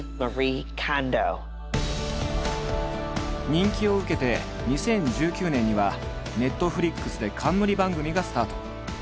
人気を受けて２０１９年にはＮｅｔｆｌｉｘで冠番組がスタート。